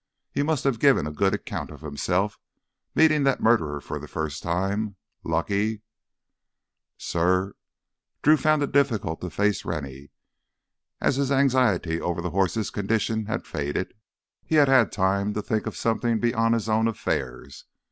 He must have given a good account of himself meeting that murderer for the first time. Lucky ..." "Suh—" Drew found it difficult to face Rennie. As his anxiety over the horse's condition had faded, he had had time to think of something beyond his own affairs.